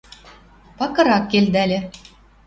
Пакырак келдӓльӹ